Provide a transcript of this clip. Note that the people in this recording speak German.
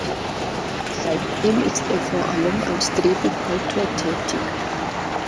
Seitdem ist er vor allem als Drehbuchautor tätig.